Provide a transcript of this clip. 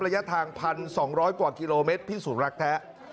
ระยะทาง๑๒๐๐กว่ากิโลเมตรพิสูจนรักแท้